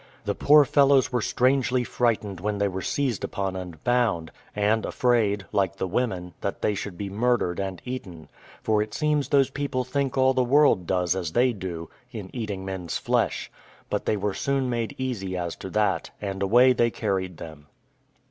The poor fellows were strangely frightened when they were seized upon and bound; and afraid, like the women, that they should be murdered and eaten: for it seems those people think all the world does as they do, in eating men's flesh; but they were soon made easy as to that, and away they carried them.